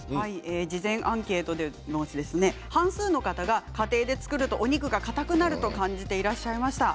事前アンケートでも半数の方が家庭で作るとお肉がかたくなると感じていらっしゃいました。